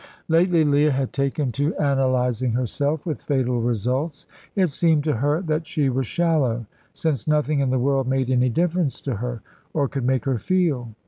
Lately Leah had taken to analysing herself with fatal results. It seemed to her that she was shallow, since nothing in the world made any difference to her, or could make her feel.